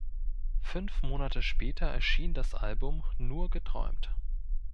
Fünf Monate später erschien das Album „Nur geträumt“.